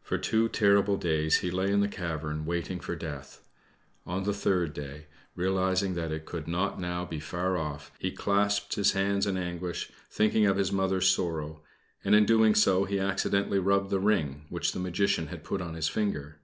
For two terrible days he lay in the cavern waiting for death. On the third day, realizing that it could not now be far off, he clasped his hands in anguish, thinking of his Mother's sorrow; and in so doing he accidently rubbed the ring which the Magician had put upon his finger.